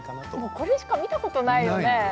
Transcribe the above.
これしか見たことないよね。